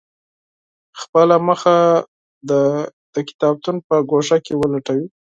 خپله موخه دې د کتابتون په ګوښه کې ولټوي.